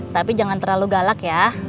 tapi jangan terlalu galak ya